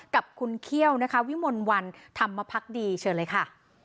กับคุณเขี้ยวนะคะวิมลวันธรรมพักดีเชิญเลยค่ะ